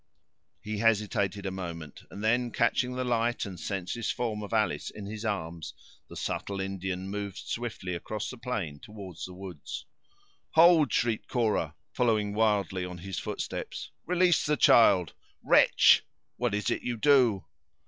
He hesitated a moment, and then catching the light and senseless form of Alice in his arms, the subtle Indian moved swiftly across the plain toward the woods. "Hold!" shrieked Cora, following wildly on his footsteps; "release the child! wretch! what is't you do?"